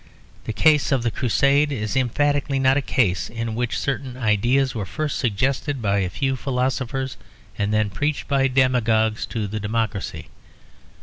The case of the Crusade is emphatically not a case in which certain ideas were first suggested by a few philosophers, and then preached by demagogues to the democracy.